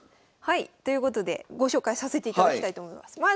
はいということでご紹介させていただきたいと思います。